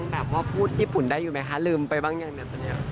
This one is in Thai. ยังแบบว่าพูดญี่ปุ่นได้อยู่ไหมคะลืมไปบ้างอย่างเดี๋ยว